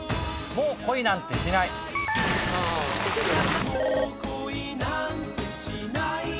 「もう恋なんてしないなんて」